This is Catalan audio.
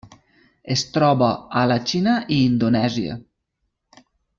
Es troba a la Xina i Indonèsia.